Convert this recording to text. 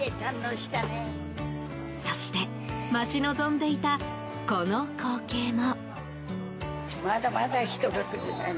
そして、待ち望んでいたこの光景も。